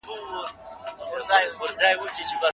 په تېرو وختونو کي دلته لويی امپراتورۍ وي.